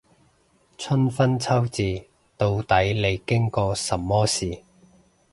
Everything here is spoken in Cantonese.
春分秋至，到底你經過什麼事